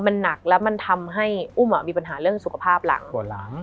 มันหนักแล้วมันทำให้อุ้มอ่ะมีปัญหาเรื่องสุขภาพหลังปวดหลัง